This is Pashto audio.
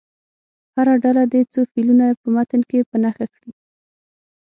هره ډله دې څو فعلونه په متن کې په نښه کړي.